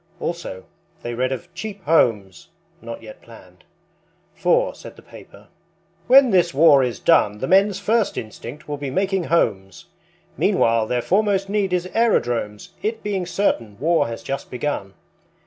Also, they read of Cheap Homes, not yet planned; For, said the paper, "When this war is done The men's first instinct will be making homes. Meanwhile their foremost need is aerodromes, It being certain war has just begun.